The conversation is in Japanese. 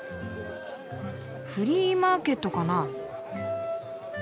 フリーマーケットかな？